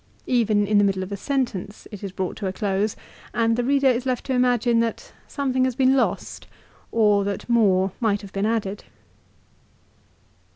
Even in the middle of a sentence it is brought to a close, and the reader is left to imagine that some thing has been lost, or that more might have been added.